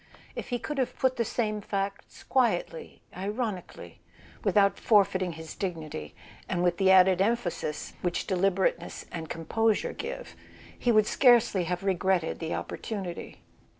If he could have put the same facts quietly, ironically, without forfeiting his dignity, and with the [ 252 ] A SON AT THE FRONT added emphasis which deliberateness and composure give, he would scarcely have regretted the opportunity.